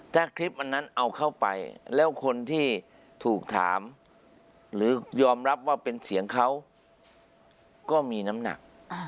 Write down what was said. ถ้าคลิปอันนั้นเอาเข้าไปแล้วคนที่ถูกถามหรือยอมรับว่าเป็นเสียงเขาก็มีน้ำหนัก